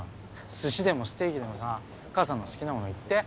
寿司でもステーキでもさ母さんの好きなもの言って。